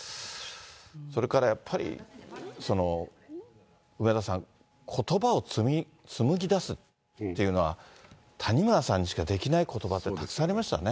それからやっぱり、梅沢さん、ことばを紡ぎ出すっていうのは、谷村さんにしかできないことばってたくさんありましたね。